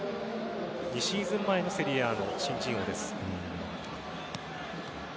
２シーズン前のセリエＡの新人王。